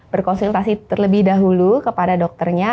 berkonsultasi terlebih dahulu kepada dokternya